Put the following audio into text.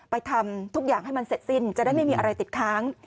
ทำทุกอย่างให้มันเสร็จสิ้นจะได้ไม่มีอะไรติดค้าง